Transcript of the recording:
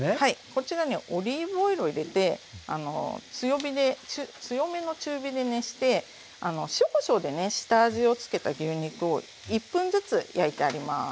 こちらにオリーブオイルを入れて強火で強めの中火で熱して塩こしょうでね下味をつけた牛肉を１分ずつ焼いてあります。